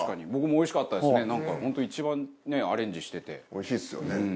おいしいですよね。